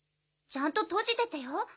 ちゃんと閉じててよ！